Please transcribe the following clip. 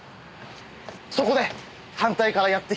そこで反対からやって来た通り魔に。